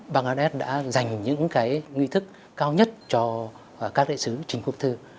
bangladesh đã dành những cái nguy thức cao nhất cho các đại sứ chính quốc thư